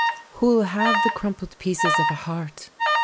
Who'll have the crumpled pieces of a heart?